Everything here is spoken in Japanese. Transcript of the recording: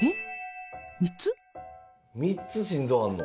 ３つ心臓あんの？